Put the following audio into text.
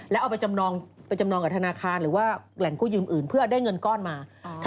แล้วเอาไปจำนองไปจำนองกับธนาคารหรือว่าแหล่งกู้ยืมอื่นเพื่อได้เงินก้อนมา